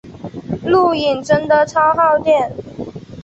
录影真的超耗电